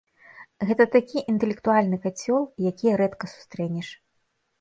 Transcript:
Гэта такі інтэлектуальны кацёл, якія рэдка сустрэнеш.